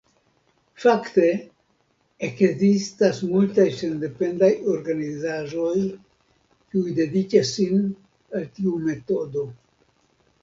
Fakte, ekzistas multaj sendependaj organizaĵoj, kiuj dediĉas sin al tiu metodo.